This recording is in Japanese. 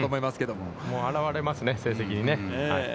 もう表れますね、成績にね。